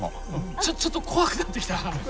ちょちょっと怖くなってきた。